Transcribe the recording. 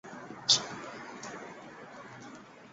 其中一位叫钟行廉曾在福建篮球队做了两年球会秘书。